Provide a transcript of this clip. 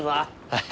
はい！